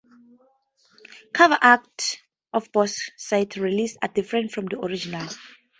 Cover arts of box-set releases are different from the original.